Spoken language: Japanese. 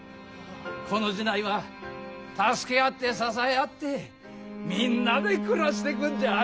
この寺内は助け合って支え合ってみんなで暮らしてくんじゃあ！